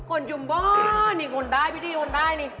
คนชุมพรนี่คนใดพี่ที่คนใดนี่